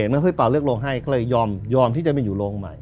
แล้วพี่เป๋าเลือกโรงให้ก็เลยยอมยอมที่จะไปอยู่โรงใหม่